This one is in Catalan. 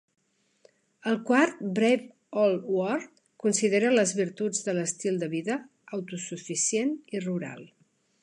El quart, "Brave Old World", considera les virtuts de l'estil de vida autosuficient i rural.